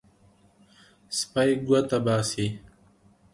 سپی ګوته باسي.